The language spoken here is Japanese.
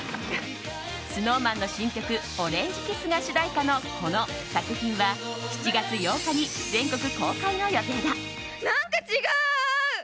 ＳｎｏｗＭａｎの新曲「オレンジｋｉｓｓ」が主題歌のこの作品は７月８日に全国公開の予定だ。